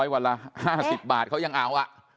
วันละ๕๐บาทเขายังเอา